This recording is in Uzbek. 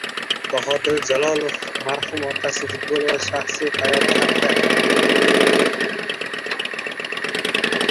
Bahodir Jalolov marhum otasi, futbol va shaxsiy hayoti haqida